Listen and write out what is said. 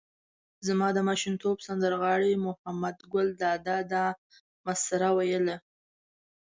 زما د ماشومتوب سندر غاړي محمد ګل دادا دا مسره ویله.